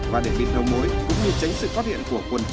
vậy tôi không biết